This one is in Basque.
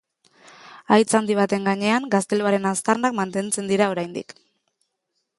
Haitz handi baten gainean gazteluaren aztarnak mantentzen dira oraindik.